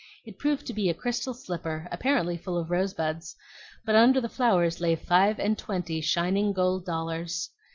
It proved to be a crystal slipper, apparently full of rosebuds; but under the flowers lay five and twenty shining gold dollars.